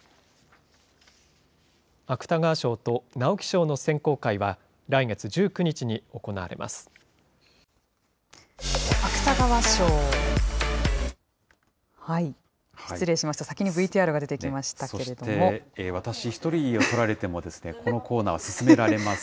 芥川賞と直木賞の選考会は、来月１９日に行われます。